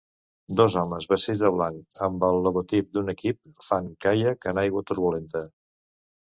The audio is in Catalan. Dos homes vestits de blanc amb el logotip d'un equip fan caiac en aigua turbulenta.